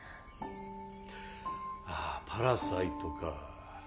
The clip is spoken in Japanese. ああ「パラサイト」か。